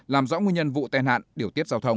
làm rõ nguyên nhân vụ tai nạn điều tiết giao thông